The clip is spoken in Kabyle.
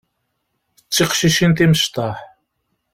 D tiqcicin timecṭaḥ.